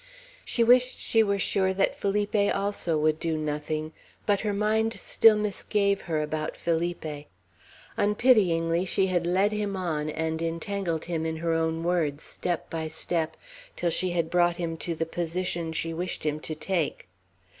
She wished she were sure that Felipe also would do "nothing;" but her mind still misgave her about Felipe. Unpityingly she had led him on, and entangled him in his own words, step by step, till she had brought him to the position she wished him to take.